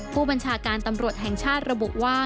ผู้บัญชาการตำรวจแห่งชาติระบุว่า